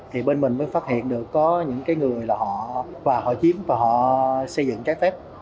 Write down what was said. thì bên mình mới phát hiện được có những cái người là họ và họ chiếm và họ xây dựng trái phép